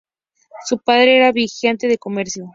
Su padre era viajante de comercio.